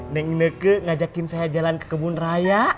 neng ineke ngajakin saya jalan ke kebun raya